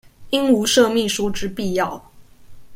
應無設秘書之必要